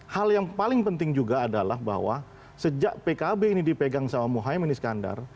hal yang paling penting juga adalah bahwa sejak pkb ini dipegang sama muhaymin iskandar